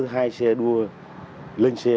hai xe đua lên xe